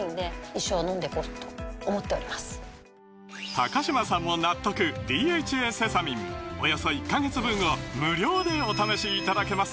高嶋さんも納得「ＤＨＡセサミン」およそ１カ月分を無料でお試しいただけます